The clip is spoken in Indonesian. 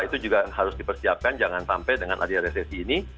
itu juga harus dipersiapkan jangan sampai dengan adanya resesi ini